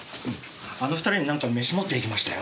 あの２人になんか飯持っていきましたよ。